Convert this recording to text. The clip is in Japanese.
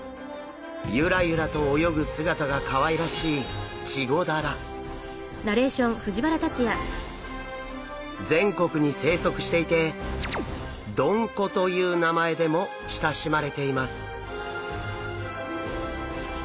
ユラユラと泳ぐ姿がかわいらしい全国に生息していて「どんこ」という名前でも親しまれています。